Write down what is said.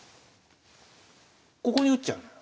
ここに打っちゃうのよ。